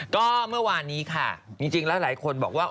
ก็เมื่อวานนี้ค่ะจริงแล้วหลายคนบอกว่า